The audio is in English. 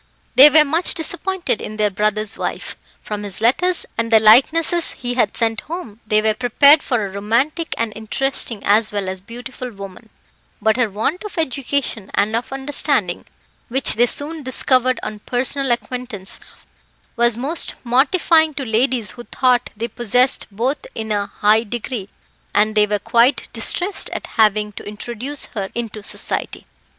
They were much disappointed in their brother's wife; from his letters, and the likenesses he had sent home, they were prepared for a romantic and interesting, as well as beautiful woman, but her want of education and of understanding, which they soon discovered on personal acquaintance, was most mortifying to ladies who thought they possessed both in a high degree, and they were quite distressed at having to introduce her into society.